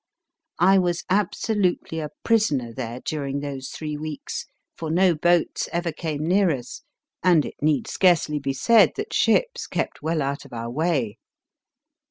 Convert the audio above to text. I was absolutely a prisoner there during those three weeks, for no boats ever came near us, and it need scarcely be said that ships kept well out of our way.